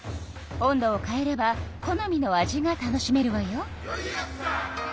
温度を変えれば好みの味が楽しめるわよ。